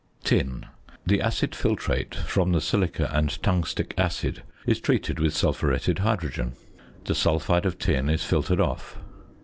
~Tin.~ The acid filtrate from the silica and tungstic acid is treated with sulphuretted hydrogen. The sulphide of tin is filtered off.